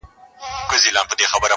چي تر کومي اندازې مو قدر شان وو!.